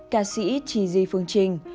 ca sĩ trì di phương trình